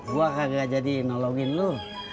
gua kagak jadi nolongin lu